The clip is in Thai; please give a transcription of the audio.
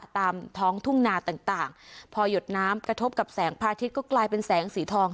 ตามท้องทุ่งนาต่างพอหยดน้ำกระทบกับแสงพระอาทิตย์ก็กลายเป็นแสงสีทอง